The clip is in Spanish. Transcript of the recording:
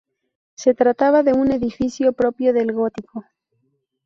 Se trataba de un edificio propio del gótico.